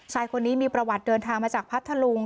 ชายคนนี้มีประวัติเดินทางมาจากพัทธลุง